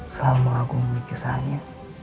selalu mengagumi kisahnya